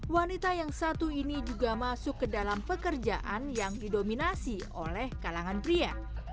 wanita yang satu ini juga masuk ke dalam pekerjaan yang didominasi oleh kalangan pria